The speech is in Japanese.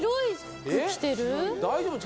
大丈夫？